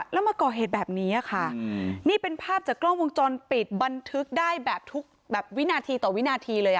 แล้วมาก่อเหตุแบบนี้ค่ะนี่เป็นภาพจากกล้องวงจรปิดบันทึกได้แบบทุกแบบวินาทีต่อวินาทีเลย